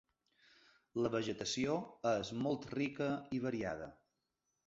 La vegetació és molt rica i variada.